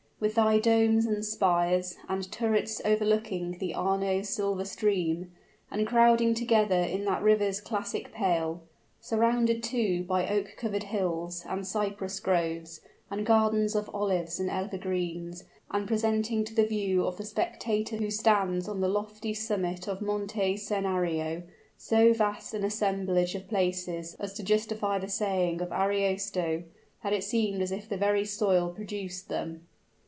with thy domes and spires, and turrets overlooking the Arno's silver stream, and crowding together in that river's classic pale; surrounded, too, by oak covered hills, and cypress groves, and gardens of olives and evergreens, and presenting to the view of the spectator who stands on the lofty summit of Monte Senario, so vast an assemblage of palaces as to justify the saying of Ariosto, that it seemed as if the very soil produced them!